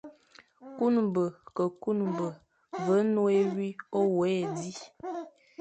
Nkuñbe ke kuñbe, ve nwé wi o wéghé di,